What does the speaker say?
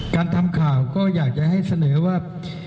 การทำข่าวก็อยากจะให้เสนอว่า